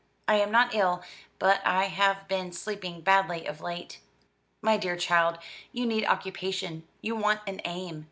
"I am not ill, but I have been sleeping badly of late." "My dear child, you need occupation; you want an aim.